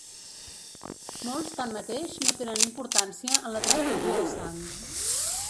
Molts, tanmateix, no tenen importància en la transfusió de sang.